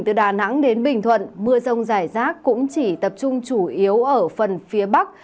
từ đà nẵng đến bình thuận mưa rông rải rác cũng chỉ tập trung chủ yếu ở phần phía bắc